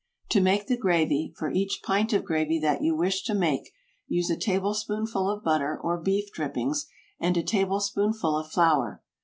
To make the gravy, for each pint of gravy that you wish to make, use a tablespoonful of butter or beef drippings and a tablespoonful of flour.